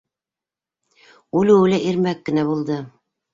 Үлеүе лә ирмәк кенә булды.